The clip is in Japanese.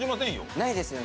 ないですよね。